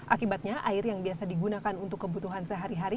akibatnya air yang biasa digunakan untuk kebutuhan sehari hari